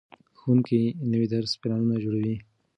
ښوونکي نوي درسي پلانونه جوړوي.